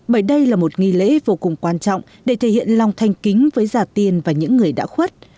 bởi đây là một nghi lễ vô cùng quan trọng để thể hiện lòng thanh kính với gia tiên và những người đã khuất